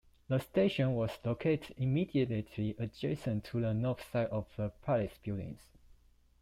The station was located immediately adjacent to the north side of the Palace buildings.